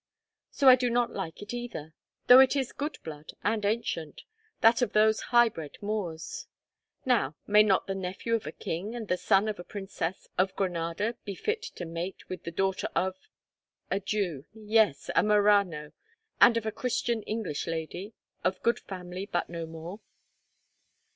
So I do not like it either, though it is good blood and ancient—that of those high bred Moors. Now, may not the nephew of a king and the son of a princess of Granada be fit to mate with the daughter of—a Jew, yes, a Marano, and of a Christian English lady, of good family, but no more?"